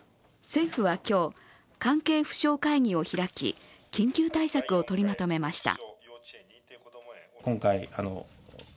政府は今日、関係府省会議を開き緊急対策を取りまとめました。